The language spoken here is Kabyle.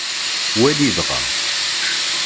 Wali dɣa.